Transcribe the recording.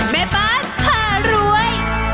แม่บ้านผ่ารวย